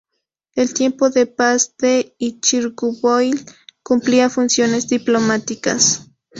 En tiempos de paz el Ichirgu-boil cumplía funciones diplomáticas.